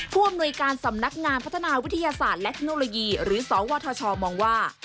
ผู้อำนวยการสำนักงานพัฒนาวิทยาศาสตร์และเทคโนโลยีหรือสวทชมองว่า